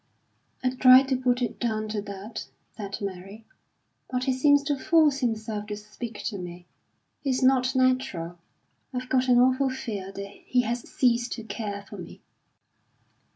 "I try to put it down to that," said Mary, "but he seems to force himself to speak to me. He's not natural. I've got an awful fear that he has ceased to care for me."